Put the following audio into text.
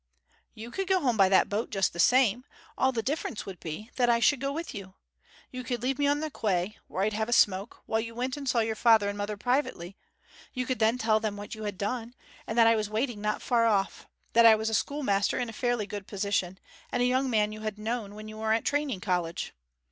'You could go home by that boat just the same. All the difference would be that I should go with you. You could leave me on the quay, where I'd have a smoke, while you went and saw your father and mother privately; you could then tell them what you had done, and that I was waiting not far off; that I was a schoolmaster in a fairly good position, and a young man you had known when you were at the Training College.